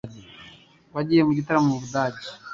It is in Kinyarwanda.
Wagiye mu gitaramo mu Budage?